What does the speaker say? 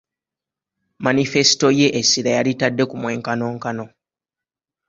Manifesito ye essira yalitadde ku mwenkanonkano.